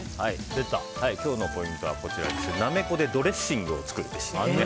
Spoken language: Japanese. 今日のポイントはナメコでドレッシングを作るべし。